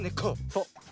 そう。